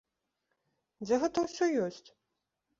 Дзе гэта ўсё ёсць?